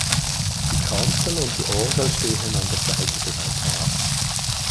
Die Kanzel und die Orgel stehen an der Seite des Altars.